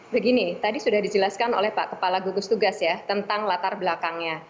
begini tadi sudah dijelaskan oleh pak kepala gugus tugas ya tentang latar belakangnya